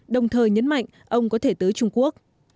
đồng thời nhấn mạnh ông có thể tới trung quốc